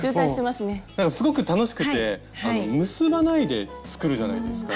すごく楽しくて結ばないで作るじゃないですか？